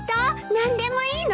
何でもいいの？